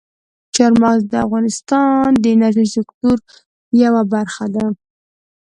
چار مغز د افغانستان د انرژۍ د سکتور یوه برخه ده.